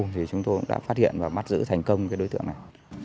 thì chúng tôi đã phát hiện và bắt giữ thành công đối tượng này